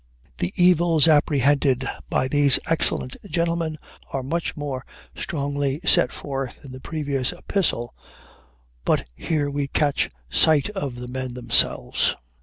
The evils apprehended by these excellent gentlemen are much more strongly set forth in the previous epistle, but here we catch sight of the men themselves.